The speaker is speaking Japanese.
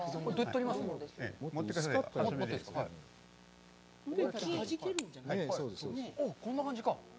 おっ、こんな感じか。